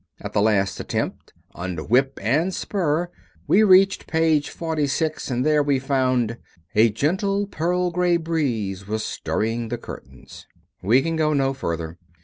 At the last attempt, under whip and spur, we reached page 46 and there we found, "A gentle pearl gray breeze was stirring the curtains." We can go no further.